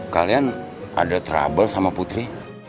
kalian ada trouble sama putri